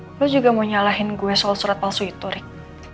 mbak nin lo juga mau nyalahin gue soal surat palsu itu rik